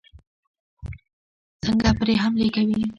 څنګه پرې حملې کوي.